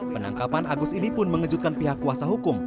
penangkapan agus ini pun mengejutkan pihak kuasa hukum